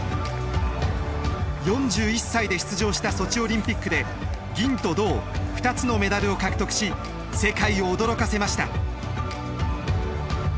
４１歳で出場したソチオリンピックで銀と銅２つのメダルを獲得し世界を驚かせました。